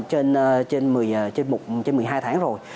trên một mươi hai tháng rồi